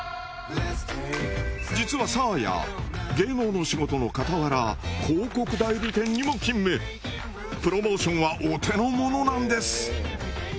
実はサーヤ芸能の仕事の傍らプロモーションはお手の物なんです。